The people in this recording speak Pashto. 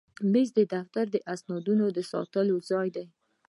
مېز د دفتر د اسنادو ساتلو ځای دی.